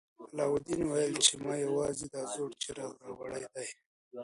علاوالدین وویل چې ما یوازې دا زوړ څراغ راوړی دی.